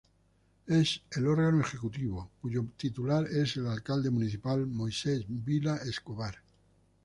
Es el órgano ejecutivo, cuyo titular es el alcalde municipal: Moises Vila Escobar.